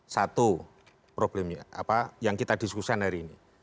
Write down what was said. satu problemnya apa yang kita diskusikan hari ini